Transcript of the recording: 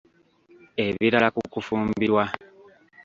Ebirala ku kufumbirwa.